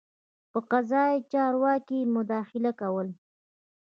په قضايي چارو کې یې مداخله کوله.